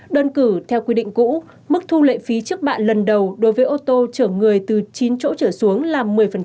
đơn cử theo quy định cũ mức thu lệ phí trước bạn lần đầu đối với ô tô chở người từ chín chỗ trở xuống là một mươi